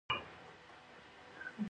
د حیواناتو حقونه شته